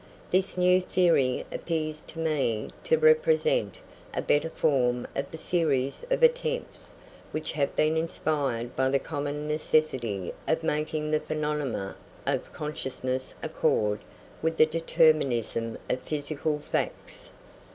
This new theory appears to me to represent a better form of the series of attempts which have been inspired by the common necessity of making the phenomena of consciousness accord with the determinism of physical facts.